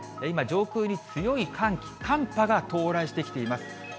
今、上空に強い寒気、寒波が到来してきています。